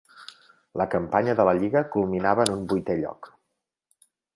La campanya de la Lliga culminava en un vuitè lloc.